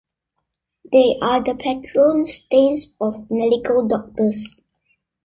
They are the patron saints of medical doctors.